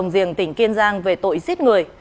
tổng diện tỉnh kiên giang về tội giết người